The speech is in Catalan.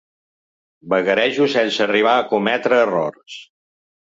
Vagarejo sense arribar a cometre errors.